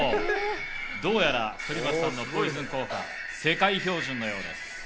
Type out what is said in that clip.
どうやら反町さんの『ＰＯＩＳＯＮ』効果、世界標準のようです。